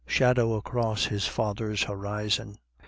213 shadow across his father's horizon.